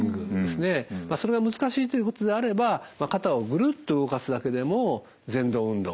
それが難しいということであれば肩をぐるっと動かすだけでもぜん動運動